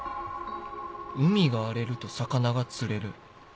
「海が荒れると魚が釣れる」